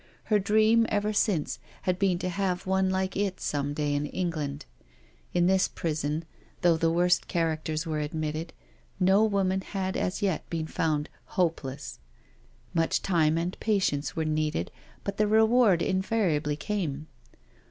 Her dream ever since had been to have one like it some day, in England. In this prison, though the worst char acters were admitted, no woman had as yet been found " hopeless." Much time and patience were needed, but the reward invariably came.